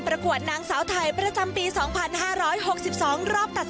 ประกวดนางสาวไทยประจำปีสองพันห้าร้อยหกสิบสองรอบตัด